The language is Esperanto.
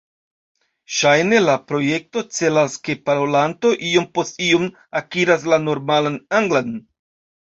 Ŝajne la projekto celas ke parolanto iom-post-iom akiras la normalan anglan.